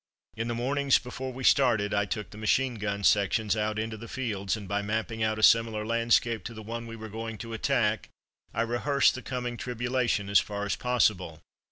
In the mornings, before we started, I took the machine gun sections out into the fields, and by mapping out a similar landscape to the one we were going to attack, I rehearsed the coming tribulation as far as possible.